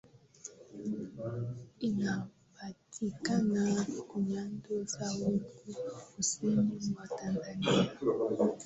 inapatikana nyanda za juu kusini mwa tanzania